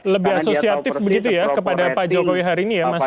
lebih asosiatif begitu ya kepada pak jokowi hari ini ya mas ya